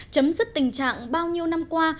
chấm dứt tình trạng bao nhiêu năm qua